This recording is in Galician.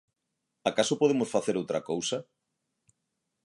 Acaso podemos facer outra cousa?